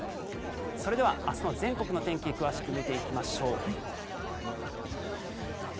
それでは、明日の全国の天気詳しく見ていきましょう。